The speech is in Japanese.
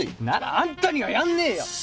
ならあんたにはやんねえよ！